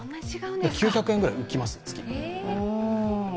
９００円ぐらい月、浮きます。